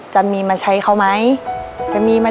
จะมีมาใช้เขาไหม